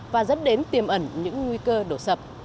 và dẫn đến tiềm ẩn những nguy cơ đổ sập